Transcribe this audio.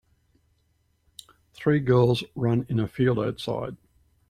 Three girls run in a field outside.